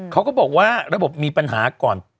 เขาก็บอกว่าระบบมีปัญหาก่อน